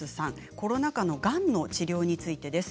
コロナ禍のがんの治療についてです。